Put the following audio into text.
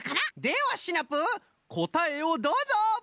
ではシナプーこたえをどうぞ！